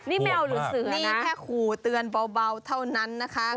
นี่แมวหรือเสือนะนี่แค่ขูเตือนเบาเท่านั้นนะคะ